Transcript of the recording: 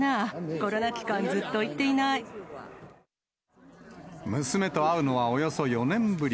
コロナ期間、娘と会うのは、およそ４年ぶり。